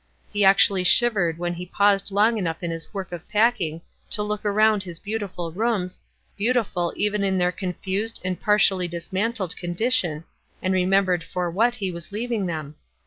He actually shivered when he paused long enough in his work of packing to look around his beautiful rooms, beautiful even in their confused and partially dismantled con dition, and remembered for what he was leaving them.